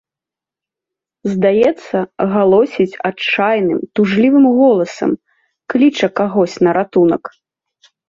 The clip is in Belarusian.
Здаецца, галосіць адчайным, тужлівым голасам, кліча кагось на ратунак.